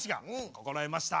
心得ました。